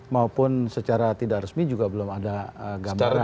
maupun secara tidak resmi juga belum ada gambaran